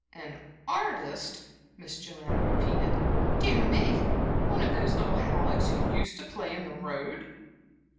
"An artist!" Miss Joanna repeated. "Dear me! One of those little Hallecks who used to play in the road."